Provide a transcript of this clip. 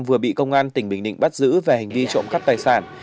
vừa bị công an tỉnh bình định bắt giữ về hành vi trộm cắp tài sản